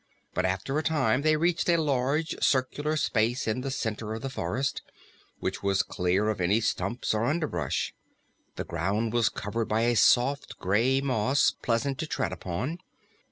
But after a time they reached a large, circular space in the center of the forest, which was clear of any stumps or underbrush. The ground was covered by a soft, gray moss, pleasant to tread upon.